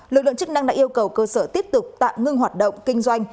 lực lượng chức năng đã yêu cầu cơ sở tiếp tục tạm ngưng hoạt động kinh doanh